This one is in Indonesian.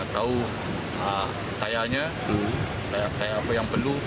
tahu tayanya apa yang perlu